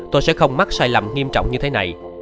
tôi sẽ không mắc sai lầm nghiêm trọng như thế này